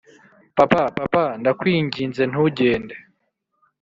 "papa, papa, ndakwinginze ntugende.